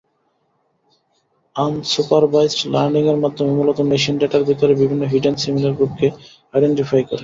Unsupervised learning এর মাধ্যমে মূলত মেশিন ডেটার ভেতরে বিভিন্ন হিডেন সিমিলার গ্রুপকে আইডেন্টিফাই করে।